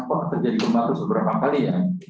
kok terjadi gempa itu seberapa kali ya